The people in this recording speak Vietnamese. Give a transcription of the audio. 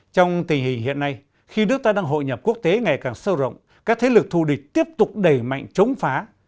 trong tình hình hiện nay khi nước ta đang hội nhập quốc tế ngày càng sâu rộng các thế lực thù địch tiếp tục đẩy mạnh chống phá